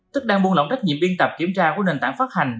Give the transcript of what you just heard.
tức đang buôn lỏng trách nhiệm biên tập kiểm tra của nền tảng phát hành